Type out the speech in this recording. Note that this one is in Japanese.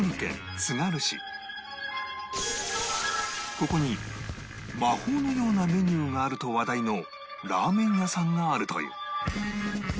ここに魔法のようなメニューがあると話題のラーメン屋さんがあるという